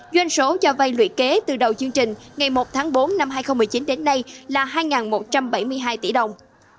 doanh số cho vay luyện kế từ đầu chương trình ngày một tháng bốn năm hai nghìn một mươi chín đến nay là hai một trăm bảy mươi hai tỷ đồng